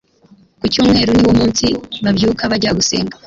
Ku cyumweru niwo munsi babyuka bajya gusenga